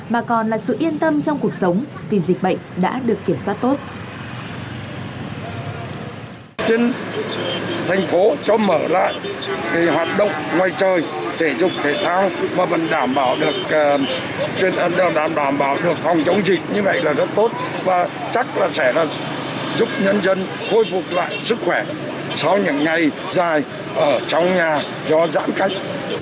mà còn là sự yên tâm trong cuộc sống vì dịch bệnh đã được kiểm soát tốt